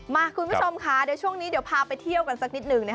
คุณผู้ชมค่ะเดี๋ยวช่วงนี้เดี๋ยวพาไปเที่ยวกันสักนิดนึงนะคะ